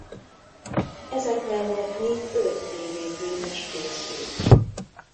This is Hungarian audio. Ezek mellett még öt tévéfilm is készült.